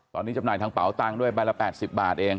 ตอนนี้จำหน่ายทางเป๋าตังค์ด้วยใบละ๘๐บาทเอง